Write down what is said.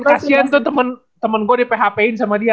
kasian tuh temen gue di php in sama dia